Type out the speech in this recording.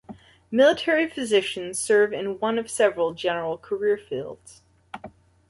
Military physicians serve in one of several general career fields.